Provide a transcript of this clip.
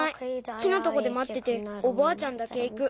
木のとこでまってておばあちゃんだけいく。